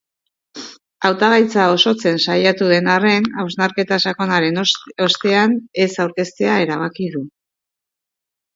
Hautagaitza osotzen saiatu den arren, hausnarketa sakonaren ostean ez aurkeztea erabaki du.